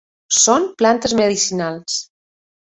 Són plantes medicinals.